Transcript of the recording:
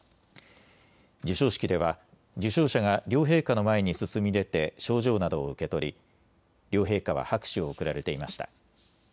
授賞式では受賞者が両陛下の前に進み出て賞状などを受け取り両陛下は拍手を送られていました。